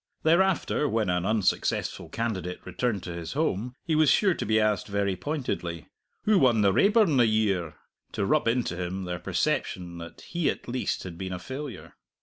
Thereafter when an unsuccessful candidate returned to his home, he was sure to be asked very pointedly, "Who won the Raeburn the year?" to rub into him their perception that he at least had been a failure.